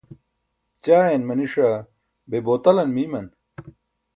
ćaayan maniṣa be botalan miiman?